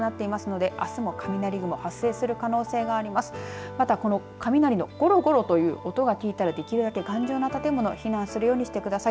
またこの雷のゴロゴロという音を聞いたらできるだけ頑丈な建物に避難するようにしてください。